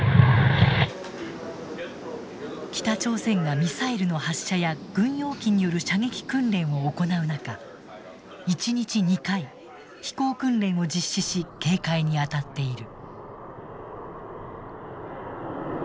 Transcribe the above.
北朝鮮がミサイルの発射や軍用機による射撃訓練を行う中一日２回飛行訓練を実施し警戒に当たっている。